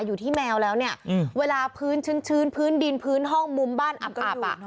อยู่ที่แมวแล้วเนี่ยเวลาพื้นชื้นพื้นดินพื้นห้องมุมบ้านอับอ่ะ